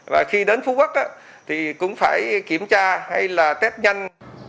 và khi đến phú quốc thì cũng phải kiểm tra hay là test nhanh